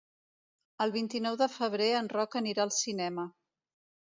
El vint-i-nou de febrer en Roc anirà al cinema.